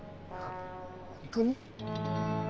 本当に！？